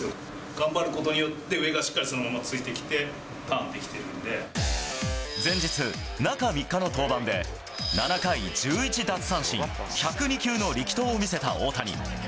頑張ることによって、上がしっかりそのままついてきて、ターンで前日、中３日の登板で、７回１１奪三振、１０２球の力投を見せた大谷。